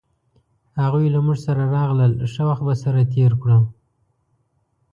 هغوی له مونږ سره راغلل ښه وخت به سره تیر کړو